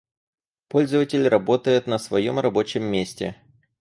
Пользователь работает на своем рабочем месте